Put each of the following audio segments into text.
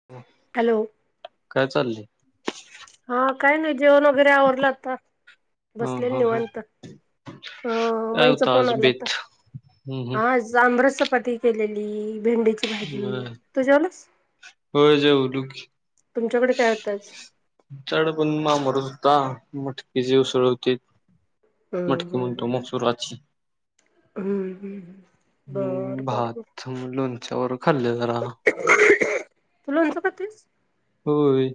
[unintelligible] Hello. काय चाललय? हा काही नाही, जेवण वगैरे आवरलं आता हा बसले हा हा निवांत ह काय मईचा होत फोन आज आला होता बेत हम्म आज. आमरस चपाती केलेली भेंडी ची हम्म भाजी बर तू जेवालास होय जेवलो की तुमच्याकडे काय होत आज आमच्याकडे पण आमरस होता मटकी ची उसळ होती. हम्म मटकीे म्हणंतो हम्म मसूराची हम्म ह् बरं, बरं. लोणच्या बरोबर खाल्ले जरा तु लोणच खातीस होय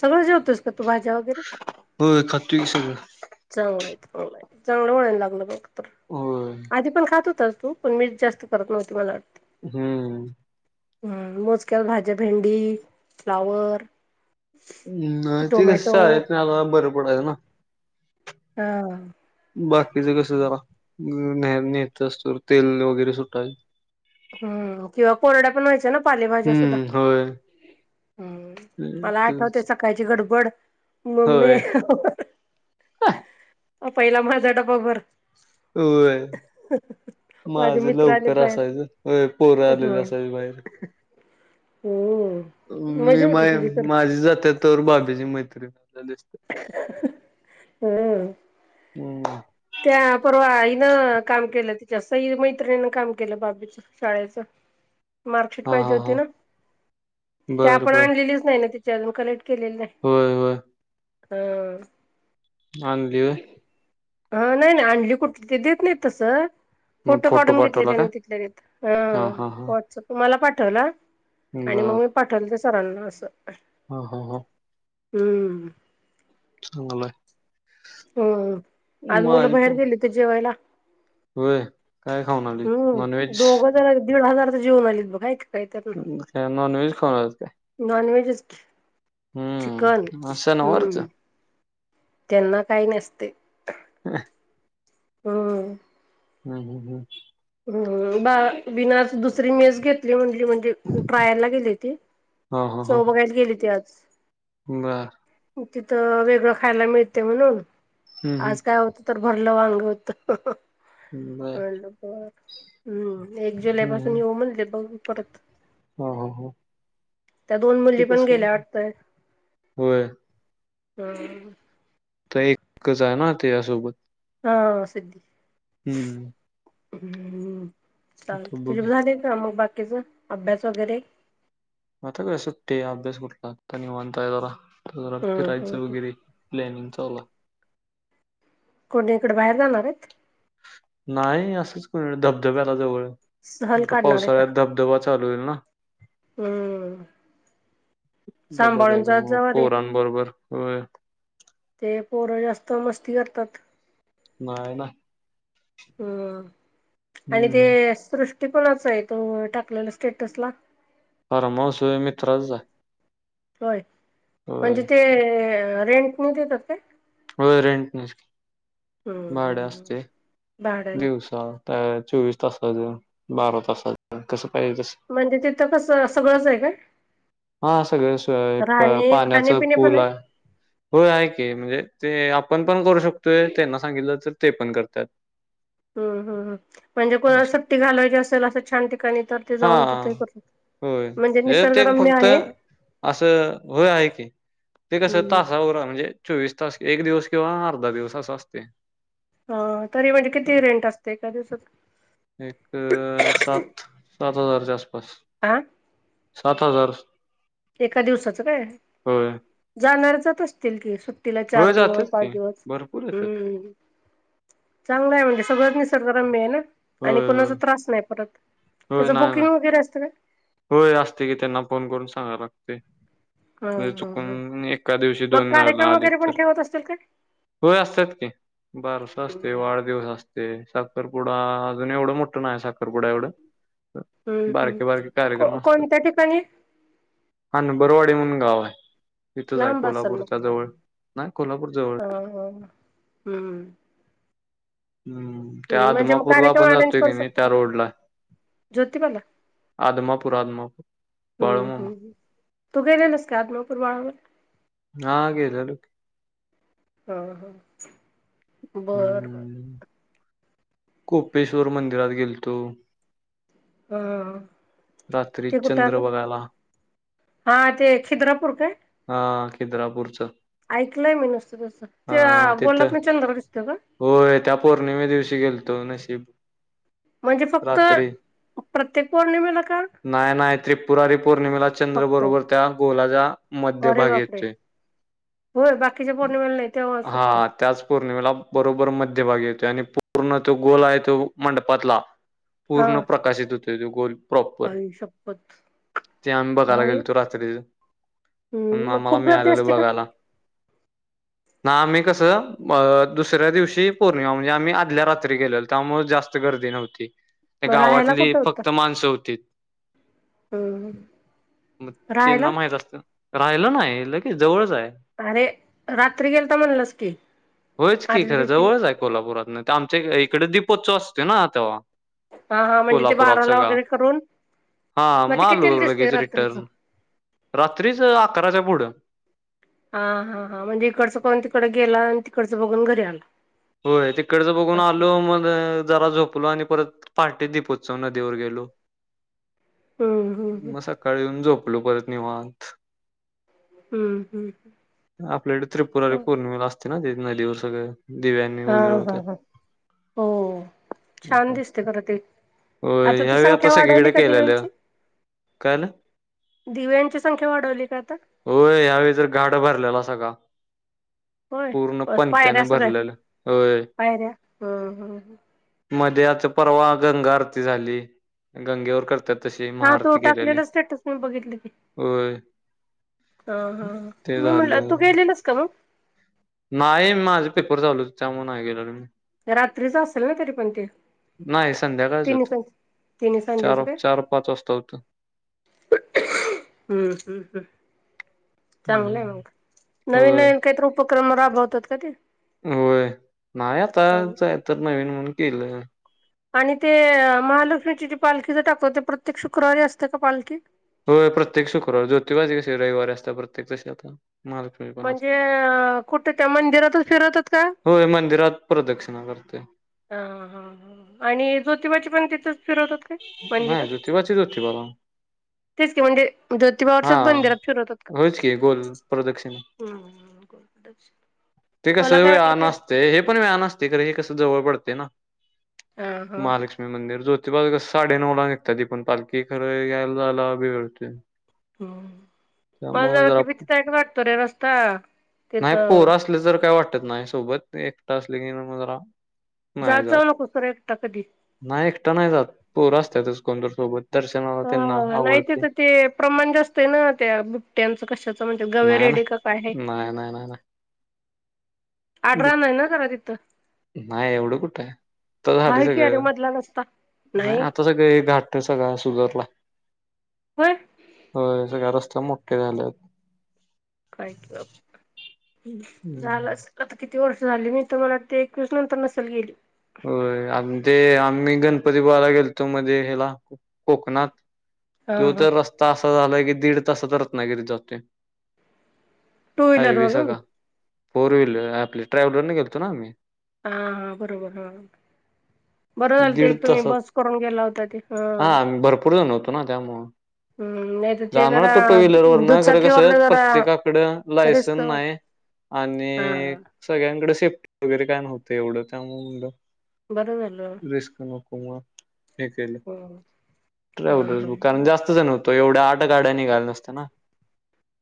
सगळं जेवतोस का तू भाज्या वगैरे हो खातू की सगळं चांगलंय चांगलंय चांगलं वळण लागलं बघ तर होय आधी पण खात होतस तू? पण मीच जास्त करत नव्हती मला वाटते. हम्म. हम्म मोजक्या भाज्या भेंडी, फ्लावर. नाही ते कस, टोमॅटो शाळेत न्यायला बर पडायच ना. हा बाकीच कस जरा, न नेहेयचं असत तेल वगैरे सुटाय हम्म, किंवा कोरड्या पण व्हायचा ना पालेभाज्या सुद्धा. हम्म होय हम्म, मला आठवते सकाळची गडबड. म मी होय पहिला माझा डबा भर होय, माझे माझ मित्र आलेत लवकर बाहेर असायच. होय पोर आलेली ह असायची माझ्याकडे. हम्म मी मजा होती माय तुझी तर माझी जात्यात तवर बाब्याची मैत्रीण दिसते. हम्म हम्म त्या परवा इन काम केल. तिच्या सई मैत्रिणीन काम केल बाबीच. शाळेच मार्कशीट हा पाहिजे हा हा होती ना. ते बर आपण बर आणलेलीच नाही ना तीचे अजून. कलेक्ट केलेली नाही. होय होय हम्म आनली होय. अ नाही नाही आणली कुठली. ते देत नाही तस. मग फोटो काढून घेतले पाठवला का? त्यानी तिथल्या तिथ. ह हा हा हा व्हाट्सअप तुम्हाला पाठवला. आणि मग मी पाठवले ते सरांना अस. ह ह ह हम्म चांगलय हम्म, आज मुल बाहेर गेलीत जेवायला. व्हय, काय खाऊन आली नॉनव्हेज? चला दीड हजारच जेवून आलीत बघ. हाय का काय नॉनव्हेज खाऊन आलेत काय? नाॅन व्हेजच. चिकन हम्म आज शनिवारच हम्म त्यांना काही नसते. हा हम्म हम्म हम्म हम्म हम्म, बा बिनास दुसरी मेस घेतली म्हटली म्हणे. ट्रायलला गेली ती. हा हा हा चव बघायला गेली ती आज. बर तिथ वेगळ खायला मिळते म्हणून. हम्म आज काय होत. तर भरल वांग होत. बर म्हणलं हम्म, एक जुलै पासून येऊ म्हणले बघू परत. ह ह ह त्या दोन मुली पण गेल्या वाटतय. होय. हम्म तर एकच आहे ना त्या यासोबत. हा सिद्धी, हम्म. हम्म आता चालतय. तुझे बघूया. झाले. ह मग बाकीच अभ्यास वगैरे. म आता काय सुट्टी आहे. अभ्यास कुठला निवांत हाय जरा. आता जरा हम्म फिरायच हम्म वगैर. प्लॅनिंग चालू हाय. कोणी इकड बाहेर जाणार आहेत? नाही असंच कोणीकड धबधब्याला जवळ, सहल आता काढणार आहे का पावसाळ्यात धबधबा चालू होईल ना. हम्म सांभाळून बघायचं जात मग, जावा रे पोरांबरोबर होय. ते पोरं जास्त मस्ती करतात. नाही ना. हम्म, आणि हम्म ते हम्म. सृष्टी कोणाच हाय? तो टाकलेला स्टेटसला. फार्महाऊस व्हय मित्राचच हाय. होय, म्हणजे ते रेंटने देतात काय? होय रेंटनेच की. हम्म, हम. दिवसा, चोवीस तासाचं, बारा तासाच कसं पाहिजे तस. म्हणजे तिथं कसं सगळंच हाय काय? हा सगळे सोय हाय, राहणे पाण्याच खाणे पिणे पण पूल आहे हाय. होय आहे की, म्हणजे ते आपण पण करू शकतोय. त्यांना सांगितलं तर ते पण करतात. हम्, हम्, हम म्हणजे कोणाला असं. सुट्टी घालवायची असेल असं छान ठिकाणी तर ते जाऊन हां, तिथे करत होय, हे ते फक्त असं, होय आहे की. ते कसं हम्म तासावर हाय, म्हणजे चोवीस तास, एक दिवस किंवा अर्धा दिवस असं असतय. हा, तरी म्हणजे किती रेंट असते एका दिवसाच एक सात. सात हजारच्या आस-पास. आं. सात हजार. एका दिवसाच काय, होय. जाणार जात असतील की सुट्ट सुट्टीला चार होय, दिवस जातात पाच की. दिवस. भरपूर येतात. हम्म चांगलं हाय म्हणजे सगळंच निसर्गरम्य आहे ना. आणि होय, कोणाच होय. त्रास नाही परत, होय, त्याच नाही, बुकिंग नाही. वगैरे असतं काय? होय असतय की, त्यांना फोन करून सांगाय लागतय. हा म्हणजे हा ह चुकून, एका दिवशी मग दोन जण कार्यक्रम आले वगैरे पण तर. ठेवत असतील काय होय असत्यात की. बारस असतय, हम्म वाढदिवस असतय, साखरपुडा अजून एवढं मोठं नाही साखरपुडा एवढं. हम्म हम्म बारके, बारके को कार्यक्रम असतात. कोणत्या ठिकाणी हणबरवाडी म्हणून गाव हाय, इथच हाय लांब असेल कोल्हापूरच्या जवळ. नाही, कोल्हापूर जवळ हाय. ह, ह, हम्म. हम्म, त्या हं म्हणजे मग आदमापूरला कार्यक्रम आपण अरेंज जातोय करू कणी शकतो त्या का रोडला हाय. ज्योतिबाला आदमापूर आदमापूर हम्म, बाळूमामा हम्म ह. तू गेलेलास का आदमापूर बाळूमामा? हा गेल्यालो. हा, हा बर, बर. हम्म कोपेश्वर मंदिरात गेलतो. हा. रात्री ते कुठ आल? चंद्र बघायला हा ते खिद्रापूर काय? हा खिद्रापूरचं. ऐकलंय मी नुसतं. अ त्या तिथं गोलातना चंद्र दिसतो का? होय त्या पौर्णिमे दिवशी गेलतो नशीब म्हणजे फक्त, रात्री प्रत्येक पौर्णिमेला का नाय -नाय त्रिपुरारी पौर्णिमेला चंद्र फक्त? बरोबर त्या गोलाच्या मध्य अरे भागी बापरे! येतोय. होय, बाकीच्या पौर्णिमेला नाही तेव्हा फक्त. हा त्याच पौर्णिमेला बरोबर मध्यभागी येतो आणि पूर्ण तो गोल आहे तो मंडपातला हा पूर्ण प्रकाश येतो. त्याचं गोल प्रॉपर, आई शप्पथ! ते आम्ही बघायला भारी गेलोतो रात्री हं मग आम्हा खूप गर्दी मिळालेल्या असते का? बघायला. ना आम्ही कसं, अ दुसऱ्या दिवशी पौर्णिमा म्हणजे आम्ही आधल्या रात्री गेलेलो, त्यामुळे जास्त गर्दी नव्हती. मग राहायला गावातली कुठं होतं? फक्त माणसं होती. हं हं मग तेना राहायला? माहित असत. राहिलं नाही, लगेच जवळच आहे. अरे, रात्री गेलता म्हणलंस की, आदल्या दिवशी, कोल्हापुरात, तर आमच्या इकडे दीपोत्सव असते ना तेव्हा. हा हा, म्हणजे ते कोल्हापुरात बाराला सगळा वगैरे करून हा मग ते आलू कितीला दिसते लगेच रात्रीचं रिटर्न, रात्रीच अकराच्या पुढं हा हा हां,, म्हणजे इकडचं कोण तिकड गेला आणि तिकडचं बघून घरी आलं. होय तिकडचं बघून आलो. म जरा झोप पुढे आणि परत पार्टी दीप उत्सव नदीवर गेलो. हम्म हम्म हम्म म, सकाळी येऊन झोपलो परत निवांत. हम्म, हम् आपल्याकडे त्रिपुरारी पौर्णिमेला असते ना ते, नदीवर सगळं दिव्यांनी हा हा उजळवतात. हा हो, छान असं. दिसते खरं ते होय ती या्यावेळी आता संख्या सगळीकडे वाढवली का केलेलं. दिव्यांची काय न झालं? दिव्यांची संख्या वाढवली का आता? होय, यावेळी तर घाट भरलेला सगळा. होय पूर्ण बस पणत्याने पायऱ्या सगळ्या भरलेलं, होय पायऱ्या हम्म हम्म मध्ये आता परवा गंगा आरती झाली. गंगेवर करतात. तशी हा तो महाआरती केलेली. टाकलेला स्टेटस मी होय ह हा, ते मी म्हंटलं झालं. तू गेलेलस का मग? नाही माझे पेपर चालू येत, त्यामुळे नाही गेलो मी. रात्रीच असेल ना तरी पण ते? नाही संध्याकाळच तिन होतं. चार- चार पाच वाजता होत. हम्म हम्म हम्म [inaudible] चांगलंय हम्म मग, नवीन होय नवीन काहीतरी उपक्रम राबवतात का ते? होय नाही आता, चांगलं कायतर नवीन म्हणून केलं. आणि ते महालक्ष्मीची जी पालखी च दाखवते, ते प्रत्येक शुक्रवारी असते का पालखी? हो प्रत्येक शुक्रावारी, ज्योतिबाजी कसे रविवारी असता प्रत्येक, तसे आता महा म्हणजे, कुठे त्या मंदिरातच फिरतात का? होय मंदिरात प्रदक्षिणा करते. ह हां हां,, आणि ज्योतिबाची पण तिथेच फिरवत नाही ज्योतिबाची ज्योतिबाला. तेच की, म्हणजे हा ज्योतिबावरच्याच मंदिरात फिरवतात का. होयच की गोल प्रदक्षिणा. हम हम, ते कसं ते वेळानं असतं हे पण वेळाने असतं. ते का नाही कस जवळ पडते ना हा हा हा. महालक्ष्मी मंदिर जो ''--'' ते बघा कसं साडे नऊ ला निघतात ती पण पालखी खरं यायला झाला वेळ होतं. हम, मला जरा त भीती तयक वाटतो रे रस्ता. नाही तिथं पोर असलं जर काय वाटतत नाही सोबत एकटं असले की, जरा. जात जाऊ नको खरं एकटता कधी. नाही एकटा नाही जात पोर असतातच कोण तर सोबत दर्शनाला त्यांना ह नाही आवडते. तिथं ते प्रमाण जास्त आहे. ना त्या बुट्ट्यांचं कशाचं म्हणजे गवे रेडी का काय आहे. नाय नाय नाय. आडरान आहे ना खरा तिथं नाही एवढं कुठ आहे. तर झाली आहे की अरे सगळं मधला रस्ता नाही आता सगळं घाटत सगळ सुधारलाय. होय, होय सगळ्या रस्ते मोठे झालेत. काय क हम्म. झालंच असल. आता किती वर्ष झाली मी तुम्हाला ते एकवीस नंतर नसेल गेली. होय आ ते आम्ही गणपती बाला गेलतो मध्ये ह्याला कोकणात. हा तो हा तर रस्ता असा झालाय की दीड तासात रत्नागिरीत जातोय. टू व्हीलर हायवे स वरून का फोर व्हीलर आपले ट्रॅव्हलरने गेलतो ना आम्ही. हा हा, बरोबर हा, बरं झालं ते दीड तुम्ही तासात बस करून गेला होता ते ह, पूर्ण झालं नव्हतो ना त्यामुळे. हम् नाही तर ते जाणार जरा होतं टू व्हीलर वर ना खरं कसं दुचाकीवरन जरा प्रत्येकाकडं रिस्क लायसनस वाट नाही. हा आणि. सगळ्यांकडे सेफ्टी वगैरे काय नव्हतं एवढं त्यामुळ बरं झालं रिस्क नको. अव्वा हे केलं ह हा ट्रॅव्हल. हा कसं जाणार होतं एवढ आट गड निघाल नसत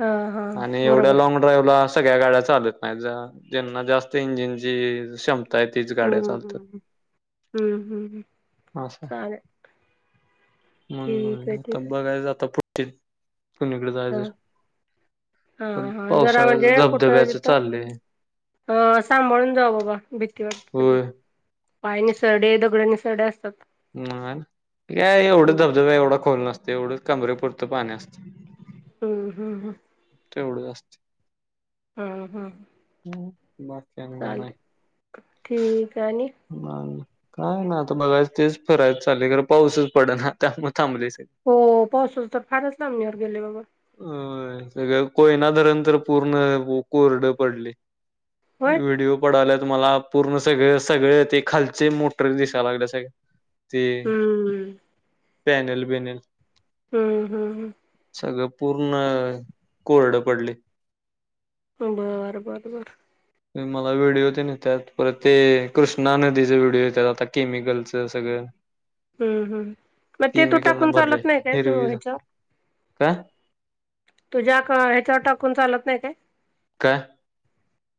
हा हा आणि एव बरोबर आहे. लॉन्ग. ड्रायव्हिंग ला सळ्या गाड्या चालत नाही जां त्यांना जास्त इंजिन ची क्षमता. ताई तीच गाड्या हम्म चालतात हम्म हम्म हम्म असं हाय. चालेल मण ठीक आहे म्ह आता ठीक बघायचं आता पुढ त कुणीकडे जायच आहे हायसा. हा प हा हा जरा म्हणजे पावसाळ्या कुठं धबधब्याच तिथं चाललेय. अ सांभाळून जाऊ बाबा भीती वाट सग. होय पाय निसरडे दगड निसरडे असतात. म का एवढा हम्म धबधबा एवढा खोल नसत एवढं कमरेपुरतं पाणी असतं. हम हम हम, तेवढं असतं. हम्म हम्म, हम, बस. चालतंय ठीक आहे आणि. नाही काय ना आता बघायच तेच फरायच चालले खरं पाऊसच पडना त्यामुळे थांबलेच. हो पावसाच तर फारच लांबणीवर गेले बाबा. अ सगळ कोयना धरण तर पूर्ण कोरड पडलय. होय व्हिडिओ पडाला तुम्हाला पूर्ण सगळे सगळे ते खालचे मोटर दिसायला लागले सगळे. ते हम्म पॅनल वेनल. हम्म हम्म ह सगळं पूर्ण कोरड पडली बरं बरं बरं ते मला व्हिडिओ ते नेतात परत ते कृष्णा नदीचे व्हिडिओ येतात आता केमिकलचं सगळं [unintelligible] हम् हम्म मग ते तू केमिकल न टाकून भरले चालत नाही काय तू हिरवी ह्याच्या काय तुझ्या ह्याच्यावर टाकून चालत नाही काय काय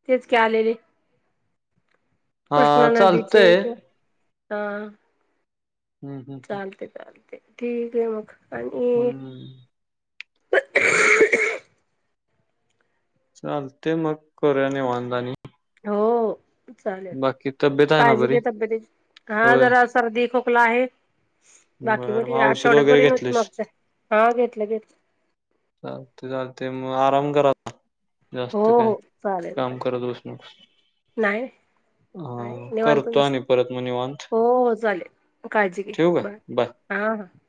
हेच की आलेले हा कृष्णा नदीचे चालतंय हा हम्म हम्म चालते चालते ठीक आहे, मग आणि हम्म हम्म. चाल ते मग करूया नी वांधा नाही हो चालेल बाकी तब्येत आहे ना काळजी बरी घे तब्यतीची, हा होय जरा सर्दी खोकला आहे, बाकी बरं बरी मग औषध आठवड्यात वगैरे बरी नव्हती, घेतलेस मागच हा घेतलं घेतलं चालतंय चालतंय मग आराम करा हो जास्त काय हो चालेल काम करत बसू नकोस. चालेल नाही आहे अं, निवांतच करतो आणि असते परत मग निवांत. हो हो चाले काळजी घे ठेवू काय? बाय ह ह